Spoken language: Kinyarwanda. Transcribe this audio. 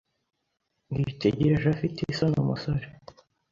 Yitegereje afite isoni umusore.